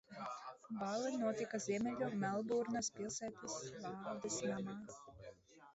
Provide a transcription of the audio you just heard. Balle notika Ziemeļu Melburnas pilsētas valdes namā.